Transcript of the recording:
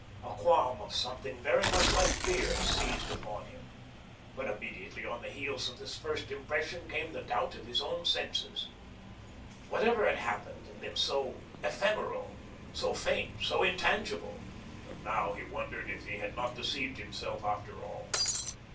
A qualm of something very much like fear seized upon him. But immediately on the heels of this first impression came the doubt of his own senses. Whatever had happened had been so ephemeral, so faint, so intangible, that now he wondered if he had not deceived himself, after all.